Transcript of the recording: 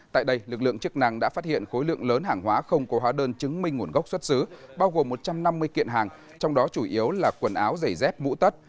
tại đây lực lượng chức năng đã phát hiện khối lượng lớn hàng hóa không có hóa đơn chứng minh nguồn gốc xuất xứ bao gồm một trăm năm mươi kiện hàng trong đó chủ yếu là quần áo giày dép mũ tất